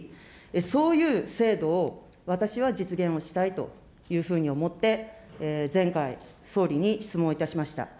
そういう制度を私は実現をしたいというふうに思って、前回、総理に質問いたしました。